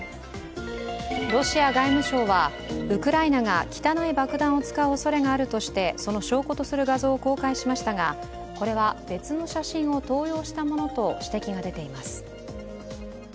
ロシア外務省はウクライナが汚い爆弾を使うおそれがあるとしてその証拠とする画像を公開しましたが、これは別の写真を盗用したものと指摘が出ています。